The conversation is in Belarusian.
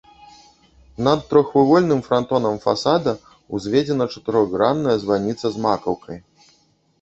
Над трохвугольным франтонам фасада ўзведзена чатырохгранная званіца з макаўкай.